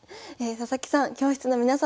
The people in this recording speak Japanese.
佐々木さん